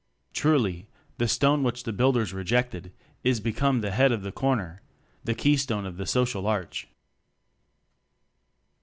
Truly, "the stone which the builders rejected is become the head of the corner": the keystone of the social arch.